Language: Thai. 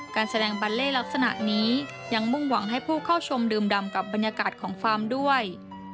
การแสดงบัลเล่ลักษณะนี้ยังมุ่งหวังให้ผู้เข้าชมดื่มดำกับบรรยากาศของฟาร์มด้วย